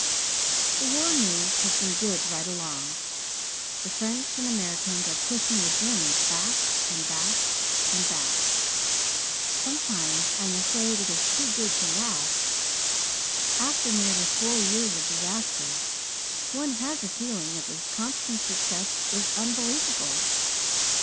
"The war news has been good right along. The French and Americans are pushing the Germans back and back and back. Sometimes I am afraid it is too good to last after nearly four years of disasters one has a feeling that this constant success is unbelievable.